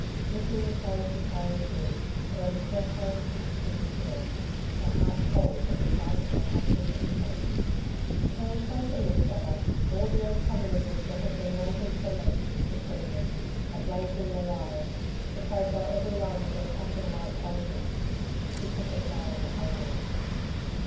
Lifting the tray she carried it in, but on the threshold she stood still, her heart cold at the sight of her husband and son. They were facing each other, all the antagonism that had been latent for months, between them, ablaze in their eyes, betrayed by every line of their passion white faces. She put her tray on the table.